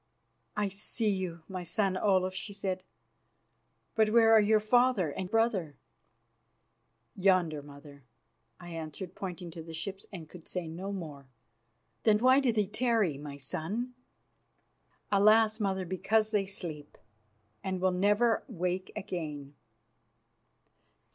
"I see you, my son Olaf," she said, "but where are your father and brother?" "Yonder, mother," I answered, pointing to the ships, and could say no more. "Then why do they tarry, my son?" "Alas! mother, because they sleep and will never wake again."